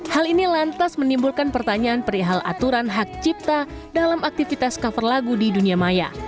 hal ini lantas menimbulkan pertanyaan perihal aturan hak cipta dalam aktivitas cover lagu di dunia maya